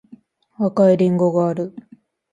赤いりんごがある